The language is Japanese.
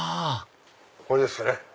これですね！